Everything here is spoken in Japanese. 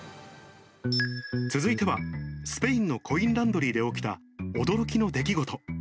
続いては、スペインのコインランドリーで起きた驚きの出来事。